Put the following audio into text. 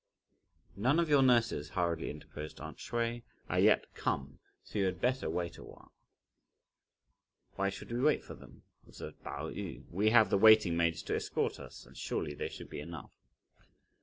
"None of your nurses," hurriedly interposed aunt Hsüeh, "are yet come, so you had better wait a while." "Why should we wait for them?" observed Pao yü. "We have the waiting maids to escort us, and surely they should be enough."